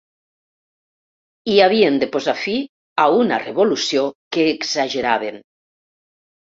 I havien de posar fi a una revolució que exageraven.